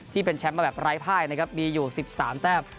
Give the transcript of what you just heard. ที่เป็นแชมป์มาแบบไร้ภายนะครับมีอยู่๑๓แต้ม